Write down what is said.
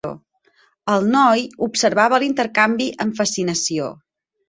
El noi observava l'intercanvi amb fascinació.